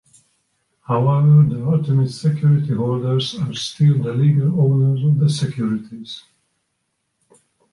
However, the ultimate security holders are still the legal owners of the securities.